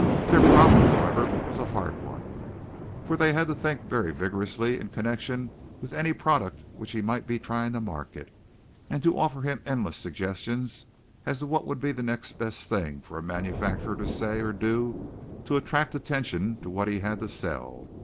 Their problem, however, was a hard one, for they had to think very vigorously in connection with any product which he might be trying to market, and to offer him endless suggestions as to what would be the next best thing for a manufacturer to say or do to attract attention to what he had to sell.